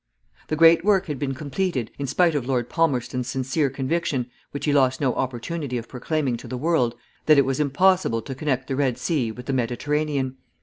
The great work had been completed, in spite of Lord Palmerston's sincere conviction, which he lost no opportunity of proclaiming to the world, that it was impossible to connect the Red Sea with the Mediterranean.